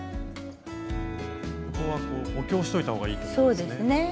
ここは補強しといた方がいいですね。